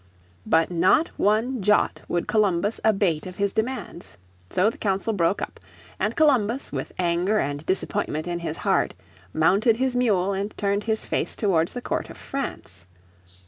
But not one jot would Columbus abate of his demands. So the Council broke up, and Columbus, with anger and disappointment in his heart, mounted his mule and turned his face towards the Court of France.